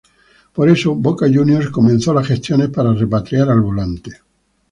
Por eso, Boca Juniors comenzó las gestiones para repatriar al volante.